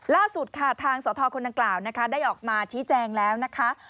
ล่าสุดค่ะทางสทคนดังกล่าวนะคะได้ออกมาชี้แจงแล้วนะคะ